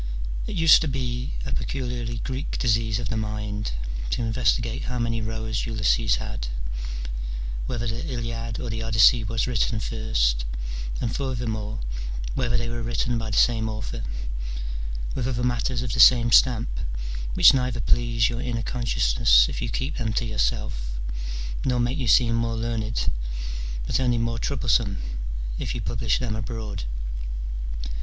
It used to be a peculiarly Greek disease of the mind to investigate how many rowers Ulysses had, whether the Iliad or the Odyssey was written first, and furthermore, whether they were written by the same author, with other matters of the same stamp, which neither please your inner consciousness if you keep them to yourself, nor make you seem more learned, but only more troublesome, if you publish them abroad.